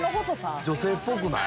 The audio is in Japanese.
女性っぽくない？